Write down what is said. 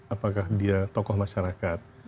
apakah dia tokoh masyarakat